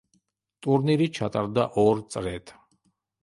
ტურნირი ჩატარდა ორ წრედ.